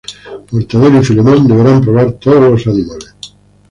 Mortadelo y Filemón deberán probar todos los animales.